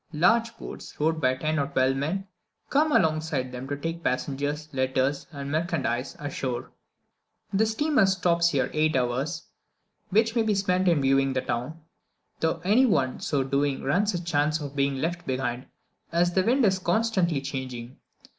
Large boats, rowed by ten or twelve men, come alongside them to take the passengers, letters, and merchandise ashore. The steamer stops here eight hours, which may be spent in viewing the town, though any one so doing runs a chance of being left behind, as the wind is constantly changing.